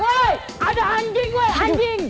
woy ada anjing woy anjing